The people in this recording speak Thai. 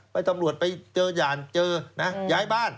ตำรวจไปเจอหย่านเจอนะย้ายบ้าน